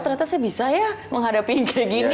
ternyata saya bisa ya menghadapi kayak gini